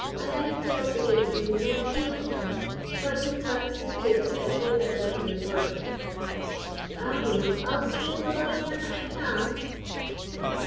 "I aye telled the gudeman ye meant weel to him; but he taks the tout at every bit lippening word." "Aweel, I'll stay the last minute I can."